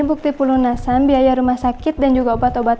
waktunya udah mana papa